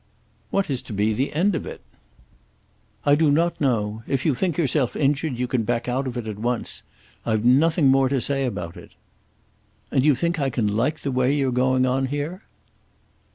"What is to be the end of it?" "I do not know. If you think yourself injured you can back out of it at once. I've nothing more to say about it." "And you think I can like the way you're going on here?"